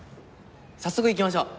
「早速行きましょう！」